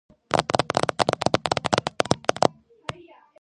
კარიერა დაიწყო მცირე სატელევიზიო როლების შესრულებით.